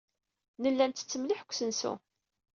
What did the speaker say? Nella nettett mliḥ deg usensu.